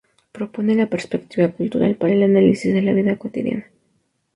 Propone la perspectiva cultural para el análisis de la vida cotidiana.